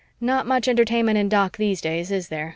"Not much entertainment in Doc these days, is there?"